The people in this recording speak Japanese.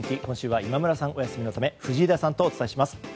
今週は今村さんがお休みのため藤枝さんとお伝えします。